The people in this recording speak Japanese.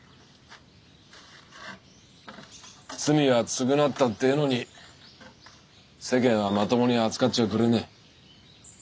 罪は償ったってぇのに世間はまともに扱っちゃくれねえ。